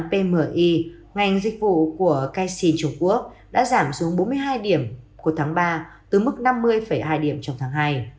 pmi ngành dịch vụ của kaisy trung quốc đã giảm xuống bốn mươi hai điểm của tháng ba từ mức năm mươi hai điểm trong tháng hai